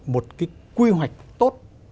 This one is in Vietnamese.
một cái quy hoạch tốt